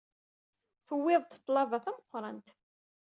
Tuwyed-d ḍḍlaba d tameqrant.